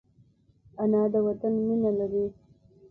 انا د وطن مینه لري